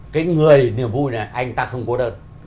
cái người niềm vui này anh ta không có đơn